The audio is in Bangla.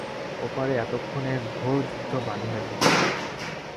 ওপারে এতক্ষণে ঘোর যুদ্ধ বাধিয়া গেছে।